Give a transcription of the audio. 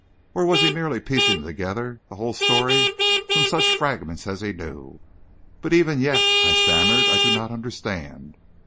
Or was he merely piecing together the whole story from such fragments as he knew? "But even yet," I stammered, "I do not understand.